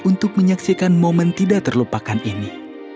untuk menyaksikan momen tidak terlupakan ini